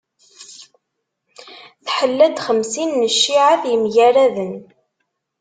Tḥella-d xemsin n cciεat yemgaraden.